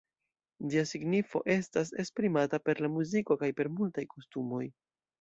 Ĝia signifo estas esprimata per la muziko kaj per multaj kostumoj.